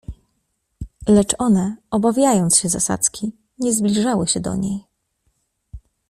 "Lecz one, obawiając się zasadzki, nie zbliżały się do niej."